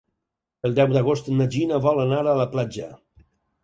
El deu d'agost na Gina vol anar a la platja.